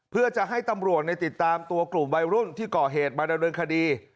เพื่อจะให้ตำรวจในติดตามตัวกลุ่มวัยรุ่นที่ก่อเหตุมาดำเนินคดี